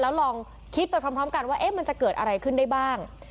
แล้วลองคิดไปพร้อมกันว่ามันจะเกิดอะไรขึ้นได้บ้าง